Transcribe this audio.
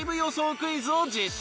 クイズを実施。